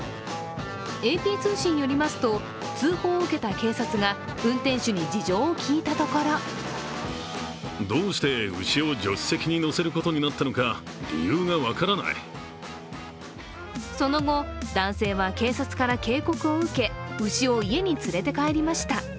ＡＰ通信によりますと通報を受けた警察が運転手に事情を聴いたところその後、男性は警察から警告を受け牛を家に連れて帰りました。